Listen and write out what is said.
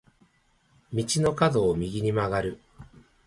道の角を右に曲がる。